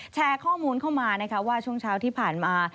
แชร์ข้อมูลเข้ามานะคะว่าช่วงเช้าที่ผ่านมา